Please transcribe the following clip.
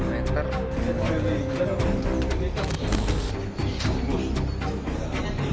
sepanjang dua meter